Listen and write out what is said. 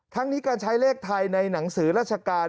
ทั้งนี้การใช้เลขไทยในหนังสือราชการ